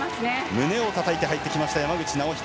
胸をたたいて入ってきました山口尚秀。